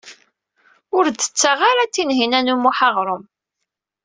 Ur d-tettaɣ ara Tinhinan u Muḥ aɣṛum.